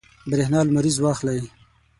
برېښنا لمریز واخلئ.